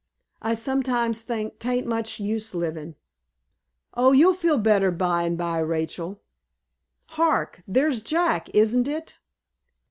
I sometimes think 'taint much use livin'." "Oh, you'll feel better by and by, Rachel. Hark, there's Jack, isn't it?"